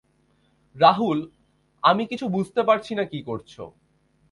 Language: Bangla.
রাহুল আমি কিছু বুঝতে পারছি না কি করছো?